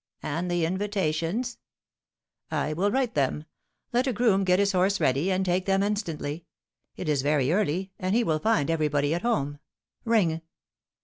"And the invitations?" "I will write them. Let a groom get his horse ready, and take them instantly. It is very early, and he will find everybody at home. Ring."